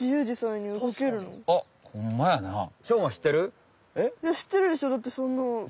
いや知ってるでしょだってそんな。